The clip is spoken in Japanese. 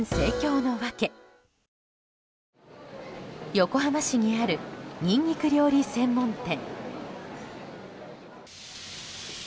横浜市にあるニンニク料理専門店。